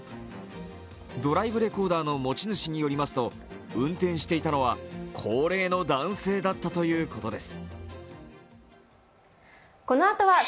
ドライブレコーダーの持ち主によりますと、運転していたのは高齢の男性だったということです。